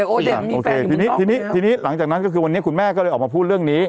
โอเคทีนี้หลังจากนั้นคุณแม่ก็เลยออกมาพูดเรื่องนี้